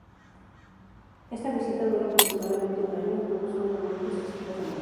Esta visita dura aproximadamente un año; todos son devueltos exitosamente.